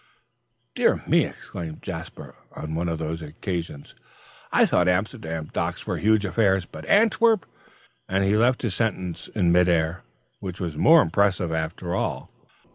"Dear me!" exclaimed Jasper, on one of these occasions, "I thought Amsterdam docks were huge affairs, but Antwerp!" And he left his sentence in mid air, which was more impressive after all.